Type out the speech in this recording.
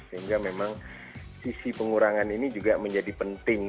sehingga memang sisi pengurangan ini juga menjadi penting